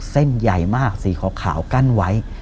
เส้นใหญ่มากสีขาวกั้นไว้